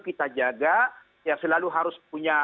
kita jaga yang selalu harus punya